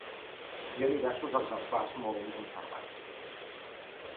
Hi ha diversos exemplars molt ben conservats.